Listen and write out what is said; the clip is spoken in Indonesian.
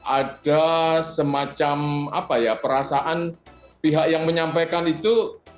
ada semacam perasaan pihak yang menyampaikan itu